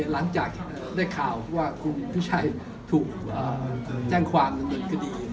หลังจากที่ได้ข่าวว่าคุณพิชัยถูกแจ้งความดำเนินคดี